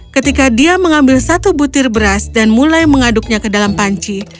ketika dia mengambil satu butir beras dan mulai mengaduknya ke dalam panci